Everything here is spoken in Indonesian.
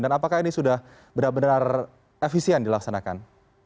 dan apakah ini sudah benar benar efisien dilaksanakan